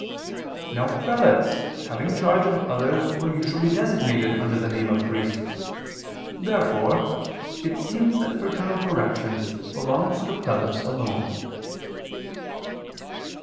Now prelates having charge of others were usually designated under the name of priests. Therefore it seems that fraternal correction belongs to prelates alone.